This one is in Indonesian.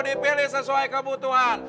dipilih sesuai kebutuhan